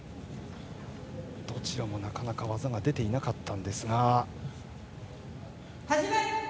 どちらもなかなか技が出ていなかったんですが。